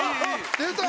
出た！